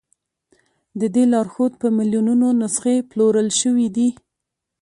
د دې لارښود په میلیونونو نسخې پلورل شوي دي.